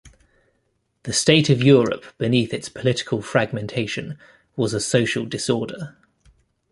The state of Europe beneath its political fragmentation was a social disorder.